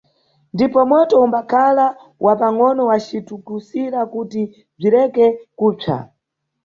Ndipo moto umbakhala wa pangʼono wacitukusira kuti bzireke kupsa.